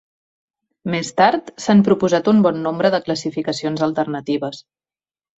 Més tard, s'han proposat un bon nombre de classificacions alternatives.